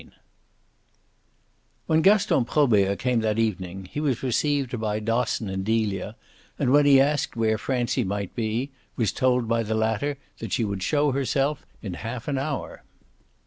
XIV When Gaston Probert came that evening he was received by Dosson and Delia, and when he asked where Francie might be was told by the latter that she would show herself in half an hour.